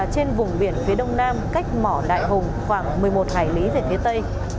trên vùng biển phía đông nam cách mỏ đại hùng khoảng một mươi một hải lý về phía tây